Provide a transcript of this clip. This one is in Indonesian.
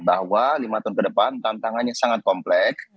bahwa lima tahun ke depan tantangannya sangat komplek